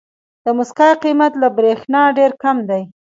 د موسکا قیمت له برېښنا ډېر کم دی.